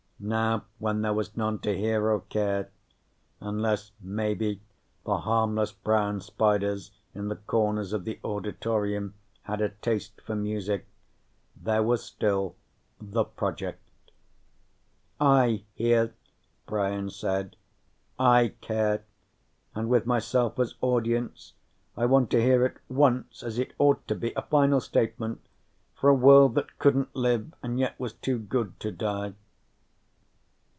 Now, when there was none to hear or care, unless maybe the harmless brown spiders in the corners of the auditorium had a taste for music, there was still The Project. "I hear," Brian said. "I care, and with myself as audience I want to hear it once as it ought to be, a final statement for a world that couldn't live and yet was too good to die."